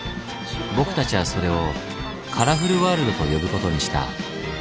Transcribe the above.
僕たちはそれを「カラフルワールド」と呼ぶことにした。